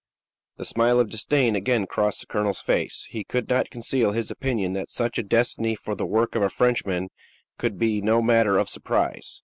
The smile of disdain again crossed the colonel's face; he could not conceal his opinion that such a destiny for the work of a Frenchman could be no matter of surprise.